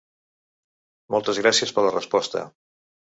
Moltes gràcies per la resposta.